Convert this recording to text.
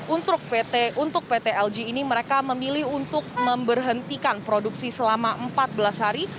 untuk pt lg ini mereka memilih untuk memberhentikan produksi selama empat belas hari